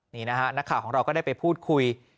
นี่นะฮะนักข่าวของเราก็ได้ไปพูดคุย